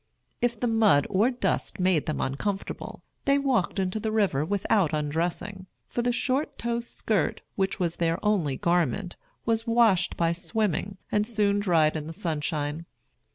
If the mud or dust made them uncomfortable, they walked into the river without undressing; for the short tow shirt, which was their only garment, was washed by swimming, and soon dried in the sunshine.